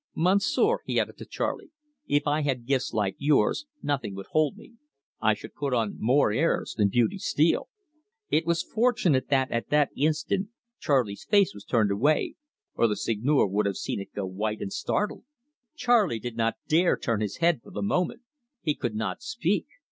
Monsieur," he added to Charley, "if I had gifts like yours, nothing would hold me. I should put on more airs than Beauty Steele." It was fortunate that, at that instant, Charley's face was turned away, or the Seigneur would have seen it go white and startled. Charley did not dare turn his head for the moment. He could not speak.